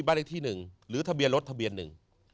บ้านเลขที่หนึ่งหรือทะเบียนรถทะเบียนหนึ่ง